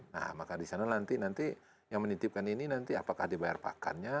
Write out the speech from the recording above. nah maka di sana nanti nanti yang menitipkan ini nanti apakah dibayar pakannya